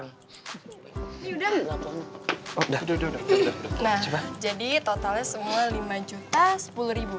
nah jadi totalnya semua lima juta sepuluh ribu